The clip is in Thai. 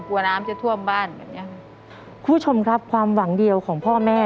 คุณผู้ชมครับความหวังเดี่ยวของพ่อแม่